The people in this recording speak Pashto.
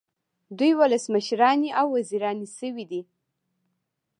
دوی ولسمشرانې او وزیرانې شوې دي.